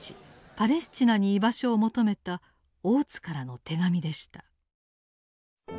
パレスチナに居場所を求めた大津からの手紙でした。